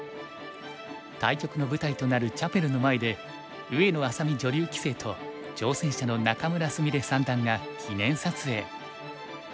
対局の舞台となるチャペルの前で上野愛咲美女流棋聖と挑戦者の仲邑菫三段が記念撮影。